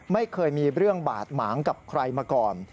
ไม่เคยมีเรื่องบาดหมางกับใครมาก่อน